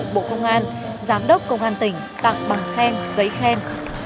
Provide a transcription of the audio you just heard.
bộ công an giám đốc công an tỉnh tặng bằng khen giấy khen